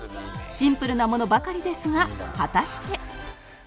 シンプルなものばかりですが果たして